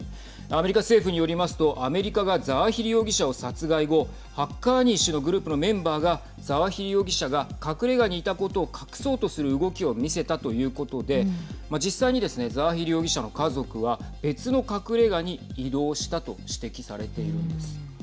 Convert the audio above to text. アメリカ政府によりますとアメリカがザワヒリ容疑者を殺害後ハッカーニ氏のグループのメンバーがザワヒリ容疑者が隠れがにいたことを隠そうとする動きを見せたということで実際にですねザワヒリ容疑者の家族は別の隠れがに移動したと指摘されているんです。